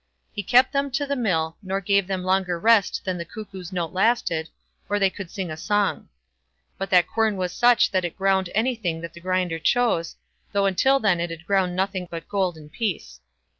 He kept them to the mill, nor gave them longer rest than the cuckoo's note lasted, or they could sing a song. But that quern was such that it ground anything that the grinder chose, though until then it had ground nothing but gold and peace.